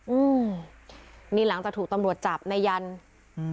อืมนี่หลังจากถูกตำรวจจับนายยันอืม